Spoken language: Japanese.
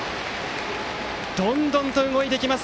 どんどんと動いてきます